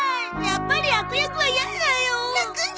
やっぱり悪役は嫌だよー！